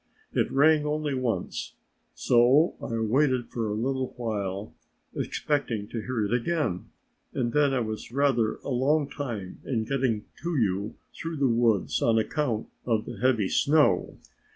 It rang only once, so I waited for a little while expecting to hear it again and then I was rather a long time in getting to you through the woods on account of the heavy snow.